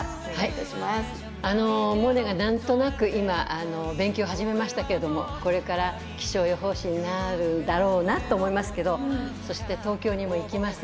モネがなんとなく今、勉強を始めましたけれどもこれから気象予報士になるだろうなと思いますけど東京にも行きます。